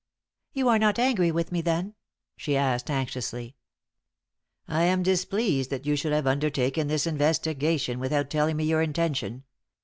"You are not angry with me, then?" she asked, anxiously. "I am displeased that you should have undertaken this investigation without telling me your intention.